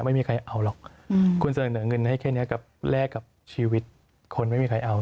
ไม่มีใครเอาหรอกคุณเสนอเงินให้แค่นี้กับแลกกับชีวิตคนไม่มีใครเอา